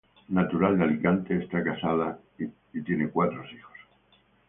Natural de Alicante, está casado y tiene cuatro hijos.